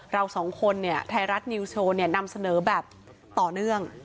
เราสองคนเนี่ยไทยรัฐนิวโชว์นำเสนอแบบต่อเนื่อง